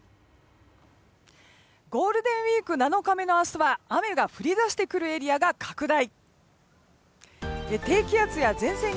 ゴールデンウィーク７日目の明日は雨が降り出してくるエリアが拡大。